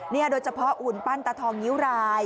โดยเฉพาะหุ่นปั้นตาทองนิ้วราย